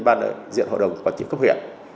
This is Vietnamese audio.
ban đại diện hội đồng quản trị cấp huyện